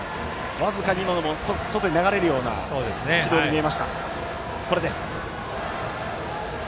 僅かに今のも、外に流れるような軌道に見えました。